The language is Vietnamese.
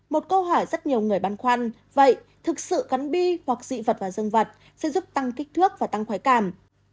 một câu hỏi rất nhiều người băn khoăn vậy thực sự cắn bi hoặc dị vật và dương vật sẽ giúp tăng kích thước và tăng khói cảm